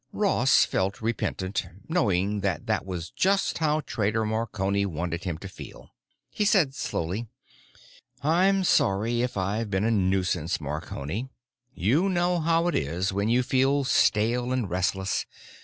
Ross felt repentant—knowing that that was just how Trader Marconi wanted him to feel. He said slowly, "I'm sorry if I'm being a nuisance, Marconi. You know how it is when you feel stale and restless.